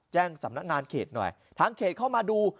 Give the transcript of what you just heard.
แจ้งสำนักงานเขตหน่อยทางเขตเข้ามาดู